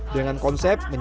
jangan nyanyi saja itulah